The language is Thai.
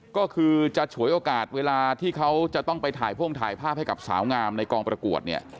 ก็คือจะฉวยโอกาสเวลาที่เขาจะต้องไปถ่ายพ่งถ่ายภาพให้กับสาวงามในกองประกวดเนี่ย